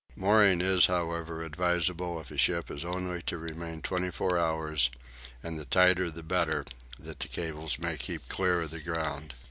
Mooring is however advisable if a ship is only to remain twenty four hours, and the tighter the better, that the cables may keep clear of the ground.